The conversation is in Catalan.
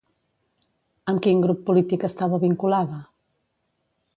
Amb quin grup polític estava vinculada?